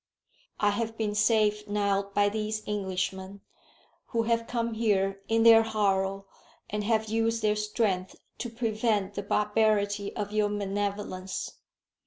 I have been saved now by these Englishmen, who have come here in their horror, and have used their strength to prevent the barbarity of your benevolence.